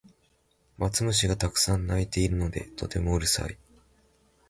マツムシがたくさん鳴いているのでとてもうるさい